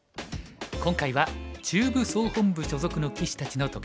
今回は中部総本部所属の棋士たちの特集です。